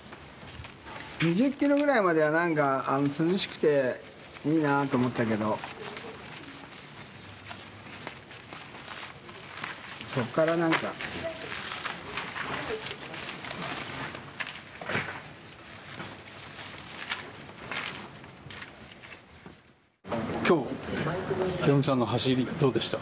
２０キロぐらいまではなんか涼しくて、いいなって思ったけど、そっからなんか、きょう、ヒロミさんの走り、どうでした？